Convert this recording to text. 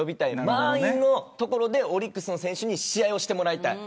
満員のところでオリックスの選手に試合をしてもらいたい。